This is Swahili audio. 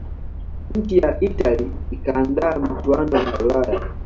nchi ya italia ikaandaa michuano ya ulaya